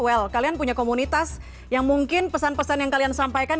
well kalian punya komunitas yang mungkin pesan pesan yang kalian sampaikan